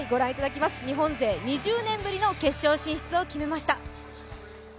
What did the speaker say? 日本勢２０年ぶりの決勝進出を決めました。